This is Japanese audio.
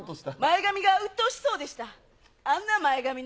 前髪がうっとうしそうでした。